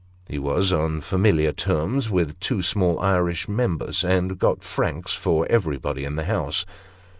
He was on familiar terms with two small Irish members, and got franks for everybody in the house.